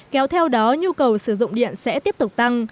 kéo theo đó nhu cầu sử dụng điện sẽ tiếp tục tăng